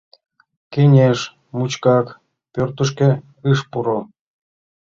Кеҥеж мучкак пӧртышкӧ ыш пуро.